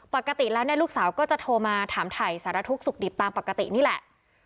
ปกติแล้วเนี่ยลูกสาวก็จะโทรมาถามถ่ายสารทุกข์สุขดิบตามปกตินี่แหละ